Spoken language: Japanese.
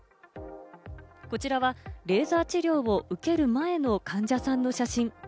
こちらはレーザー治療を受ける前の患者さんの写真。